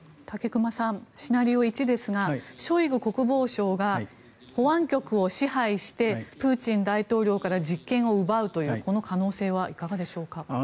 武隈さんシナリオ１ですがショイグ国防相が保安局を支配してプーチン大統領から実権を奪うというこの可能性はいかがでしょうか。